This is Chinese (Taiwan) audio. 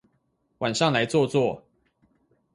晚上來坐坐